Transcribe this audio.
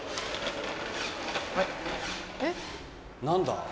何だ？